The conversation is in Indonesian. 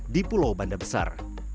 di pulau banda besar